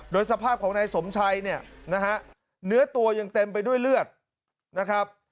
โดยสภาพของนายสมชัยเนี่ยนะฮะเนื้อตัวยังเต็มไปด้วยเลือดนะครับ